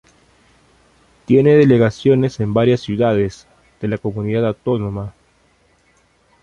Tiene delegaciones en varias ciudades de la Comunidad Autónoma.